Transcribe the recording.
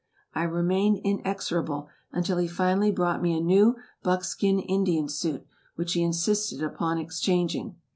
I remained inexorable until he finally brought me a new buckskin Indian suit, which he insisted upon exchanging.